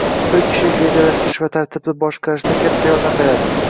bir kishilik rejalashtirish va tartibli boshqarishda katta yordam beradi